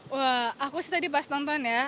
wah aku sih tadi pas nonton ya